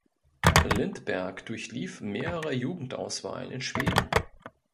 Lindberg durchlief mehrere Jugendauswahlen in Schweden.